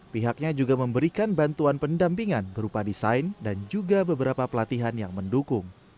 pihaknya juga memberikan bantuan pendampingan berupa desain dan juga beberapa pelatihan yang mendukung